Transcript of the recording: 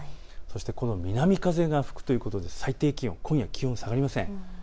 この南風が吹くということで最低気温は今夜は下がりません。